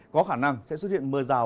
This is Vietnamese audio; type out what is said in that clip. có khả năng sẽ xuất hiện mưa rào